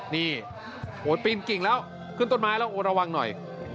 นี่ปีนกิ่งแล้วขึ้นต้นไม้แล้วโอ้ระวังหน่อย